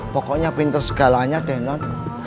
pokoknya pinter segalanya deh nan